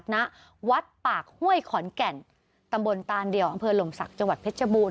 ณวัดปากห้วยขอนแก่นตำบลตานเดี่ยวอำเภอหลมศักดิ์จังหวัดเพชรบูร